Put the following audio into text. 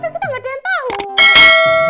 kita gak ada yang tahu